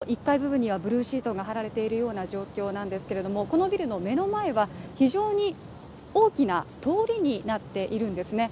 そして、今も１階部分にはブルーシートが張られているような状況なんですけれどもこのビルの目の前は非常に大きな通りになっているんですね